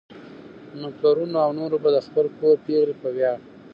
نو پلرونو او نورو به د خپل کور پېغلې په وياړ